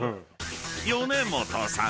［米本さん］